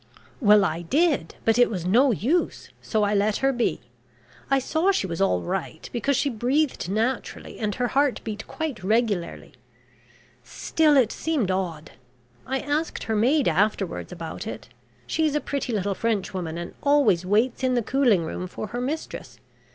"Well, I did, but it was no use, so I let her be. I saw she was all right, because she breathed naturally, and her heart beat quite regularly. Still, it seemed odd. I asked her maid afterwards about it. She's a pretty little Frenchwoman, and always waits in the cooling room for her mistress.